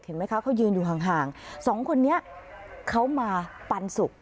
ไหมคะเขายืนอยู่ห่างสองคนนี้เขามาปันสุก